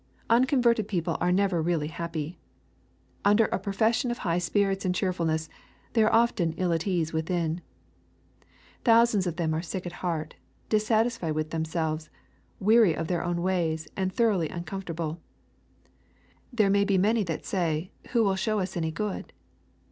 Unconverted people are never really happy. Under a profession of high spirits and cheerfulness, they are often ill at ease within. Thou sands of them are sick at heart, dissatisfied with them selves, weary of their own ways, and thoroughly uncom fortablev^ " There be many that say, who will show us any good."